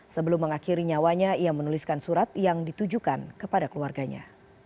sebelum mengakhiri nyawanya ia menuliskan surat yang ditujukan kepada keluarganya